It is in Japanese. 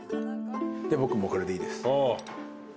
僕もこれでいいです。